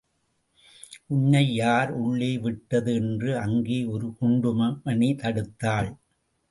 உன்னை யார் உள்ளே விட்டது என்று அங்கே ஒரு குண்டுமணி தடுத்தாள்.